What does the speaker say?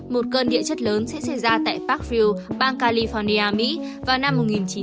một cơn địa chất lớn sẽ xảy ra tại parkville bang california mỹ vào năm một nghìn chín trăm chín mươi bốn